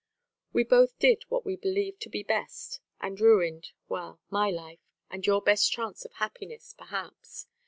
"We both did what we believed to be best, and ruined well, my life, and your best chance of happiness, perhaps.